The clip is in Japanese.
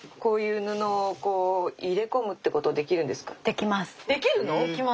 できます。